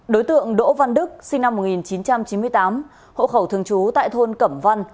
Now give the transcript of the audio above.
đối tượng đỗ văn đức sinh năm một nghìn chín trăm chín mươi tám hộ khẩu thường trú tại thôn cẩm văn